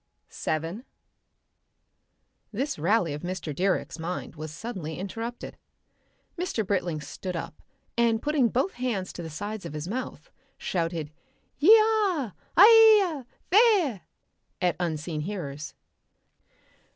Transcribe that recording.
Section 7 This rally of Mr. Direck's mind was suddenly interrupted. Mr. Britling stood up, and putting both hands to the sides of his mouth, shouted "Yi ah! Aye ya! Thea!" at unseen hearers.